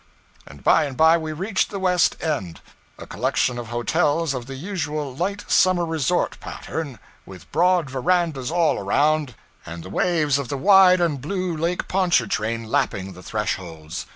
And by and bye we reached the West End, a collection of hotels of the usual light summer resort pattern, with broad verandas all around, and the waves of the wide and blue Lake Pontchartrain lapping the thresholds.